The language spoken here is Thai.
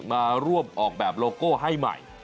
มาร่วมออกแบบโลโก้ให้ใหม่